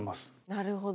なるほど。